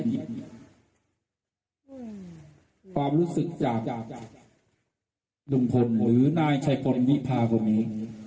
ความรู้สึกจากลุงพลหรือนายชัยพลวิพาคนนี้